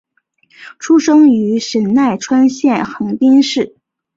出生于神奈川县横滨市。